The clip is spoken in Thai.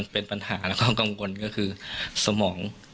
เป็นปัญหาแล้วก็กังวลก็คือสมอง